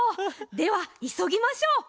ではいそぎましょう。